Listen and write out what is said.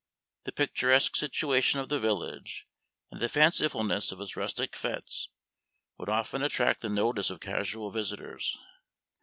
The picturesque situation of the village and the fancifulness of its rustic fetes would often attract the notice of casual visitors.